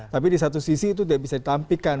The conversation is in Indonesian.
tapi di satu sisi itu dia bisa ditampikan